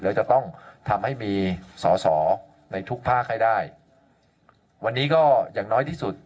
แล้วจะต้องทำให้มีสอสอในทุกภาคให้ได้วันนี้ก็อย่างน้อยที่สุด